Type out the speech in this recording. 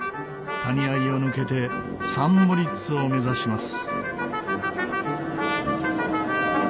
谷あいを抜けてサン・モリッツを目指します。